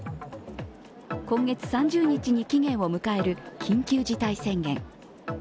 今月３０日に期限を迎える緊急事態宣言。